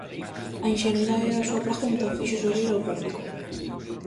A inxenuidade da súa pregunta fixo sorrir ao público.